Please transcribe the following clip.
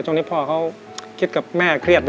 ช่วงนี้พ่อเขาคิดกับแม่เครียด